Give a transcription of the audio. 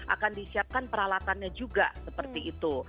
akan disiapkan peralatannya juga seperti itu